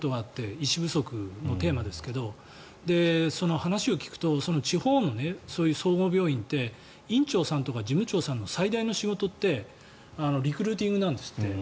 医師不足のテーマですけどその話を聞くと地方の総合病院って院長さんとか事務長さんの最大の仕事ってリクルーティングなんですって。